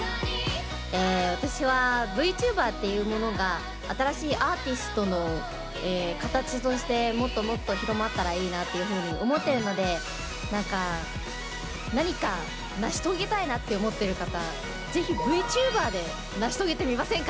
私はＶチューバーっていうものが新しいアーティストの形としてもっともっと広まったらいいなっていうふうに思ってるので何か何か成し遂げたいなって思ってる方是非Ｖチューバーで成し遂げてみませんか？